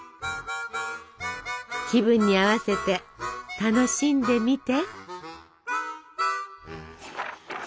気分に合わせて楽しんでみて。